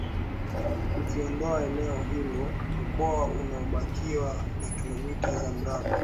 Ukiondoa eneo hilo Mkoa unabakiwa na Kilomita za mraba